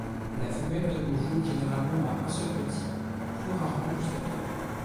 La femelle donne le jour généralement à un seul petit, plus rarement jusqu'à trois.